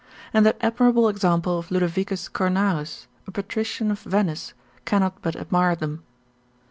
and that admirable example of Ludovicus Cornarus, a patrician of Venice, cannot but admire them.